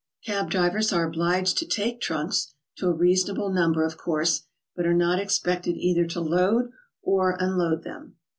Cab drivers are obliged to take trunks, — to a reasonable number, of course, but are not expected either to load or unload them.